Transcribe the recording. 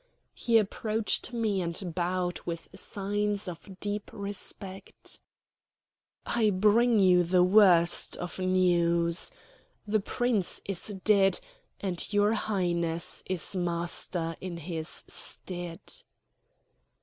He approached me and bowed with signs of deep respect. "I bring you the worst of news. The Prince is dead; and your Highness is master in his stead."